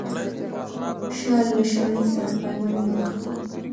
شال له شړۍ سره پيوند نه اخلي.